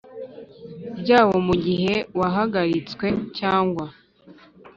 byawo mu gihe wahagaritswe cyangwa